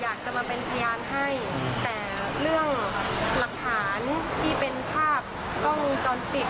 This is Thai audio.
อยากจะมาเป็นพยานให้แต่เรื่องหลักฐานที่เป็นภาพกล้องวงจรปิด